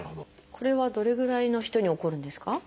これはどれぐらいの人に起こるんですか？